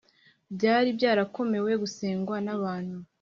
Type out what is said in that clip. , byari byarakorewe gusengwa n'abantu